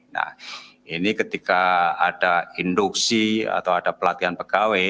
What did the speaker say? nah ini ketika ada induksi atau ada pelatihan pegawai